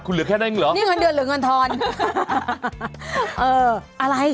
คุณเหลือแค่นั้นเองเหรอนี่เงินเดือนหรือเงินทอนเอออะไร